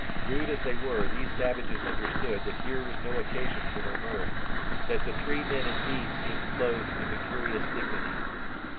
Rude as they were, these savages understood that here was no occasion for their mirth, that the three men indeed seemed clothed with a curious dignity.